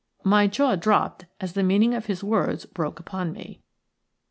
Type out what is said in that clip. My jaw dropped as the meaning of his words broke upon me.